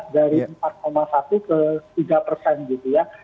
dari empat satu ke tiga persen gitu ya